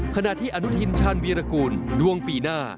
ขณะที่อนุทินชาญวีรกูลดวงปีหน้า